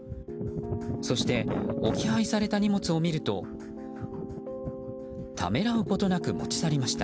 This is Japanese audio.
そして置き配された荷物を見るとためらうことなく持ち去りました。